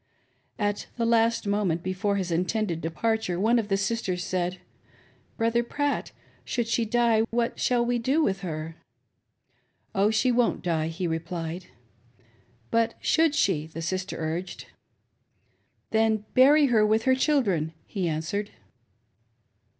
At the last moment before his intended departure, one of the sisters said :'• Brother Pratt, should she die, what shall we do with her?" "Oh, she won't die," he replied. " But should she," the sister urged. "Then bury her with her children," he answered.